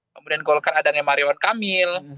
kemudian golkar adanya marion kamil